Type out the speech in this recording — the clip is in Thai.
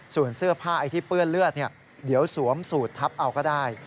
ส่วนเสื้อผ้าไอ้ที่เปื้อนเลือดเดี๋ยวสวมสูตรทับเอาก็ได้